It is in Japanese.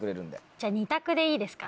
じゃ２択でいいですか。